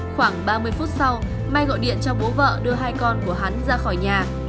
khoảng ba mươi phút sau mai gọi điện cho bố vợ đưa hai con của hắn ra khỏi nhà